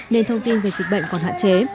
nên thông tin về dịch bệnh còn hạn chế